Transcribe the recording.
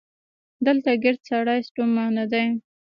دلته ګړد ستړي ستومانه دي